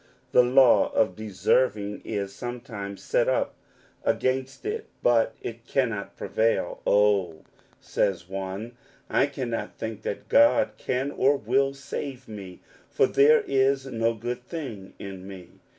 The law of deserving is sometimes set up against it, but it cannot prevail. " Oh," says one, " I cannot think that God can or will save me, for there is no good thing in me